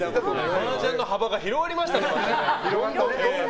マージャンの幅が広がりました。